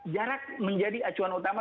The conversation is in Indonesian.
jarak menjadi acuan utama